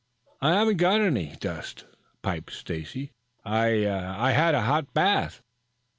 "I haven't got any dust," piped Stacy. "I I had a bath a hot bath."